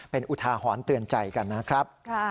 เป็นอุทาหรณ์เตือนใจกันนะครับ